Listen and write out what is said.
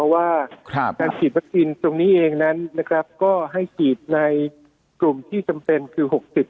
ว่าการฉีดวัคซีนตรงนี้เองนั้นนะครับก็ให้ฉีดในกลุ่มที่จำเป็นคือ๖๐